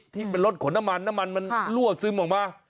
ที่เป็นรถขนน้ำมันน้ำมันมันรั่วซึมออกมา